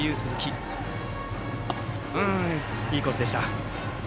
今のはいいコースでした。